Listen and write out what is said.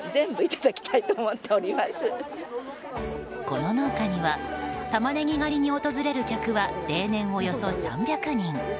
この農家にはたまねぎ狩りに訪れる客は例年およそ３００人。